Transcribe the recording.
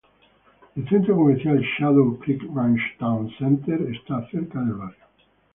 El centro comercial Shadow Creek Ranch Town Center está cerca del barrio.